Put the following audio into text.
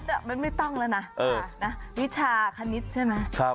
เนี้ยมันไม่ต้องแล้วน่ะเอ่อน่ะวิชาคณิตใช่ไหมครับ